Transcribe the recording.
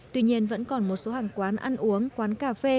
tuy nhiên vẫn còn một số hàng quán ăn uống quán cà phê